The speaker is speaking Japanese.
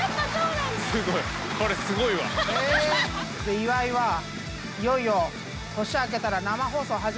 岩井はいよいよ年明けたら生放送始まるな。